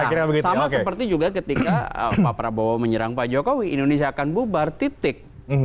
nah sama seperti juga ketika pak prabowo menyerang pak jokowi indonesia akan bubar titik